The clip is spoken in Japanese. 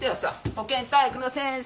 保健体育の先生。